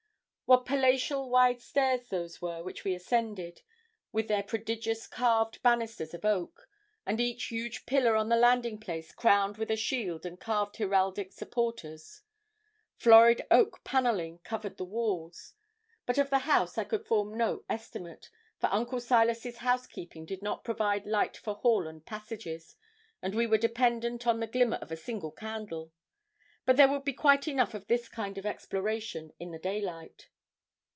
What palatial wide stairs those were which we ascended, with their prodigious carved banisters of oak, and each huge pillar on the landing place crowned with a shield and carved heraldic supporters; florid oak panelling covered the walls. But of the house I could form no estimate, for Uncle Silas's housekeeping did not provide light for hall and passages, and we were dependent on the glimmer of a single candle; but there would be quite enough of this kind of exploration in the daylight.